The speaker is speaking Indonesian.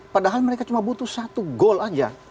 padahal mereka cuma butuh satu gol aja